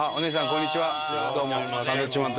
こんにちは。